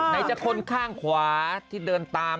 ไหนจะคนข้างขวาที่เดินตาม